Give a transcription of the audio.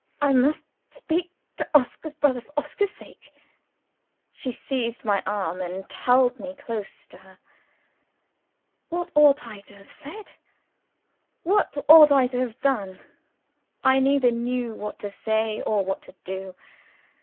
I must speak to Oscar's brother, for Oscar's sake." She seized my arm and held me close to her. What ought I to have said? What ought I to have done? I neither knew what to say or what to do.